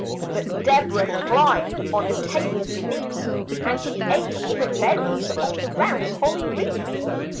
But Deborah climbed on a table beneath And she ate all the berries off the round holly wreath.